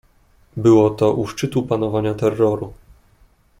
"Było to u szczytu panowania terroru."